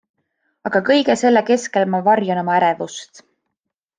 Aga kõige selle keskel ma varjan oma ärevust.